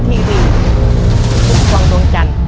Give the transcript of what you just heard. ตัวเลือกที่๔๖ดอก